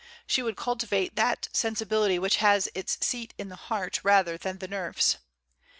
She would cultivate that "sensibility which has its seat in the heart, rather than the nerves."